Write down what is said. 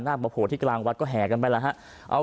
หน้าประโผที่กลางวัดก็แหกันไปแล้ว